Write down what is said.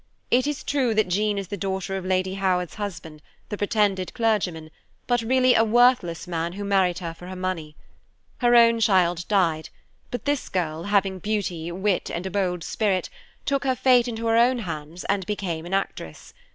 It is true that Jean is the daughter of Lady Howard's husband, the pretended clergyman, but really a worthless man who married her for her money. Her own child died, but this girl, having beauty, wit and a bold spirit, took her fate into her own hands, and became an actress.